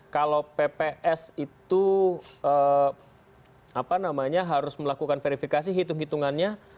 kalau pps itu harus melakukan verifikasi hitung hitungannya